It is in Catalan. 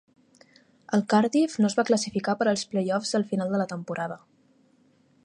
El Cardiff no es va classificar per als play-offs al final de la temporada.